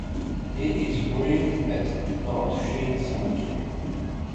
He is buried at North Sheen Cemetery.